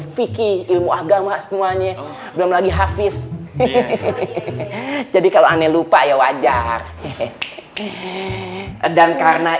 fikih ilmu agama semuanya belum lagi hafiz jadi kalau aneh lupa ya wajar dan karena